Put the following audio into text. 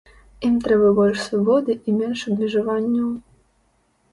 Ім трэба больш свабоды і менш абмежаванняў.